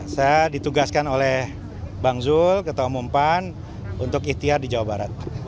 saya ditugaskan oleh bang zul ketua umum pan untuk ikhtiar di jawa barat